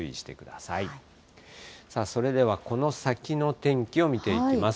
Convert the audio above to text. さあそれでは、この先の天気を見ていきます。